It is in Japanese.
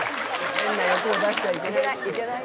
変な欲を出しちゃいけない。